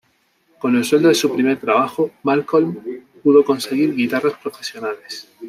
Con el sueldo de su primer trabajo, Malcolm pudo conseguir guitarras profesionales.